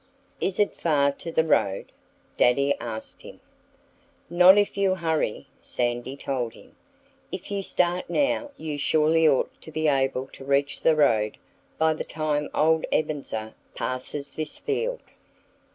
"Is it far to the road?" Daddy asked him. "Not if you hurry," Sandy told him. "If you start now you surely ought to be able to reach the road by the time old Ebenezer passes this field."